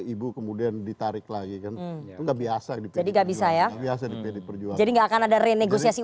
itu kemudian ditarik lagi kan nggak biasa jadi gak bisa ya biasa jadi nggak akan ada renegosiasi